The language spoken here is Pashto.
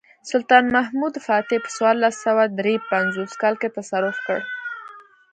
سلطان محمد فاتح په څوارلس سوه درې پنځوس کال کې تصرف کړ.